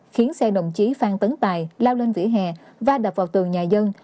khiến xe đồng chí phan tấn tài lao lên vỉa hè và đập vào tường nhà dân